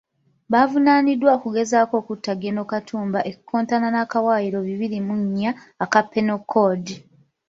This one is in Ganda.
Bavunaaniddwa okugezaako okutta General Katumba ekikontana n'akawaayiro bibiri mu nnya aka Penal Code.